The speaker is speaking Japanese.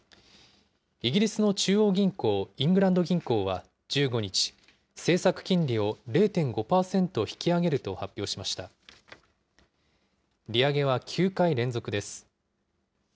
イギリスの中央銀行、イングランド銀行は１５日、政策金利を０．５％引き上げると発表しました。